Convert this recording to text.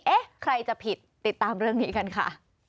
เอ๊ะใครจะผิดติดตามเรื่องนี้กันค่ะ